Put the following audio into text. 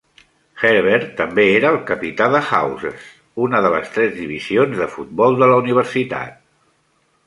Herbert també era el capità de Houses, una de les tres divisions de futbol de la universitat.